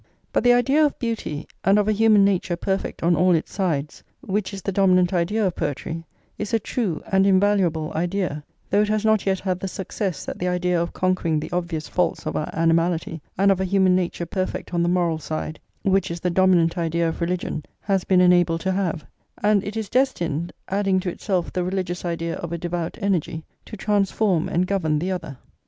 But the idea of beauty and of a human nature perfect on all its sides, which is the dominant idea of poetry, is a true and invaluable idea, though it has not yet had the success that the idea of conquering the obvious faults of our animality, and of a human nature perfect on the moral side, which is the dominant idea of religion, has been enabled to have; and it is destined, adding to itself the religious idea of a devout energy, to transform and govern the other.